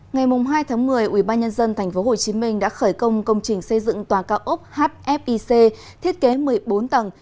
ngày hai tháng một mươi ubnd tp hcm đã khởi công công trình xây dựng tòa cao ốc hfic thiết kế một mươi bốn tầng